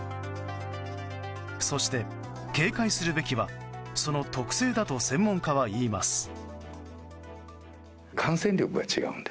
そして警戒するべきはその特性だと専門家は言います。